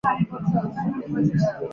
在阴囊中的疼痛也归为此类。